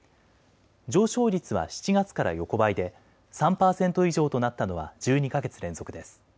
上昇率は７月から横ばいで３％以上となったのは１２か月連続です。